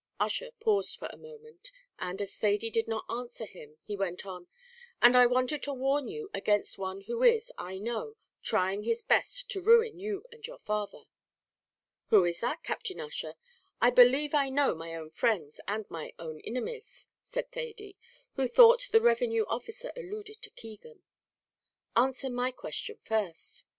Ussher paused for a moment; and as Thady did not answer him, he went on "and I wanted to warn you against one who is, I know, trying his best to ruin you and your father." "Who is that, Captain Ussher? I believe I know my own friends and my own inimies," said Thady, who thought the revenue officer alluded to Keegan. "Answer my question first."